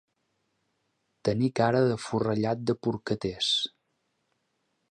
Tenir cara de forrellat de porcaters.